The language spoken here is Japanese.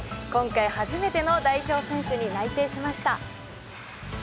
今回初めての代表選手に内定しました。